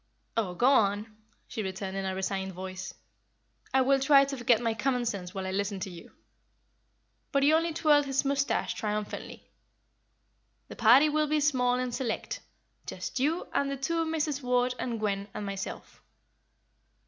"Oh, go on," she returned, in a resigned voice. "I will try to forget my common sense while I listen to you." But he only twirled his moustache triumphantly. "The party will be small and select; just you and the two Misses Ward and Gwen and myself."